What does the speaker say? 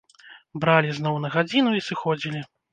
Бралі зноў на гадзіну і сыходзілі.